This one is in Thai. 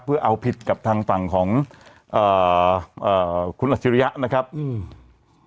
เพื่อเอาผิดกับทางฝั่งของเอ่อเอ่อคุณอัจฉริยะนะครับอืม